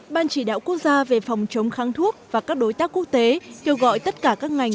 ban chỉ đạo quốc gia về phòng chống kháng thuốc và các đối tác quốc tế kêu gọi tất cả các ngành